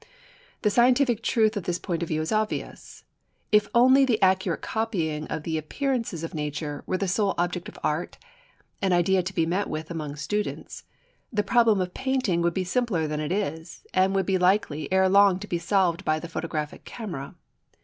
The scientific truth of this point of view is obvious. If only the accurate copying of the appearances of nature were the sole object of art (an idea to be met with among students) the problem of painting would be simpler than it is, and would be likely ere long to be solved by the photographic camera.